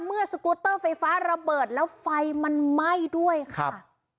สกูตเตอร์ไฟฟ้าระเบิดแล้วไฟมันไหม้ด้วยค่ะ